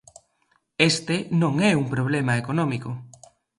Este non é un problema económico.